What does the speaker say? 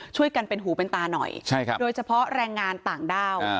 ช่วยกันเป็นหูเป็นตาหน่อยโดยเฉพาะแรงงานต่างด้าว